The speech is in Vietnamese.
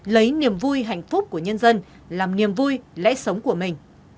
lấy niềm vui hạnh phúc của nhân dân làm niềm vui lẽ sống của mình